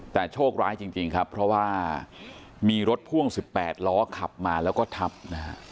แต่โชคร้ายจริงครับเพราะว่ามีรถพ่วง๑๘ล้อขับมาแล้วก็ทับนะฮะ